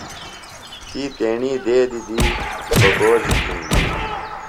تی تیݨی دیدی دی ببوزیۡ گِھنی۔